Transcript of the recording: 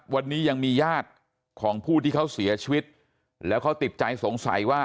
วันนี้ยังมีญาติของผู้ที่เขาเสียชีวิตแล้วเขาติดใจสงสัยว่า